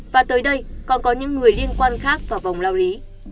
và tới đây còn có những người liên quan khác vào vòng lao lý